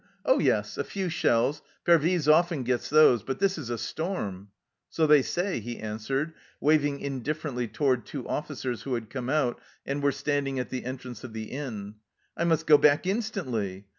" Oh yes, a few shells, Pervyse often gets those, but this is a storm !"" So they say," he answered, waving indifferently toward two officers who had come out and were standing at the entrance of the inn. " I must go back instantly."